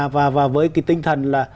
và với cái tinh thần là